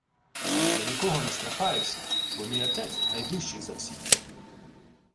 — Я нікого не страхаюся, бо мій отець найдужчий за всіх!